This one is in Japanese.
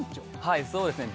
はいそうですね